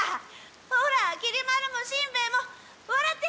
ほらきり丸もしんべヱもわらって！